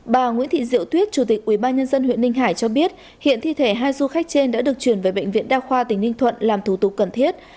bà nguyễn thị diệu tuyết chủ tịch ubnd huyện ninh hải cho biết hiện thi thể hai du khách trên đã được chuyển về bệnh viện đa khoa tỉnh ninh thuận làm thủ tục cần thiết